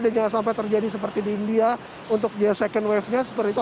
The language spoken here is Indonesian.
jangan sampai terjadi seperti di india untuk second wave nya seperti itu